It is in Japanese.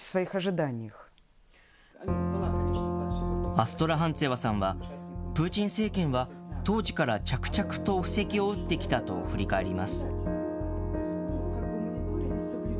アストラハンツェワさんは、プーチン政権は当時から着々と布石を打ってきたと振り返ります。